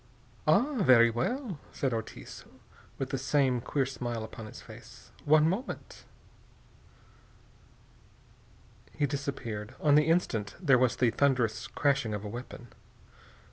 "Ah, very well," said Ortiz, with the same queer smile upon his face. "One moment." He disappeared. On the instant there was the thunderous crashing of a weapon.